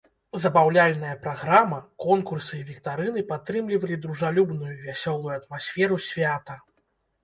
Забаўляльная праграма, конкурсы і віктарыны падтрымлівалі дружалюбную і вясёлую атмасферу свята.